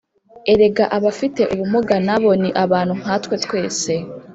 Erega abafite ubumuga na bo ni abantu nka twe twese